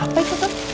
apa itu tut